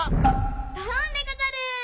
ドロンでござる。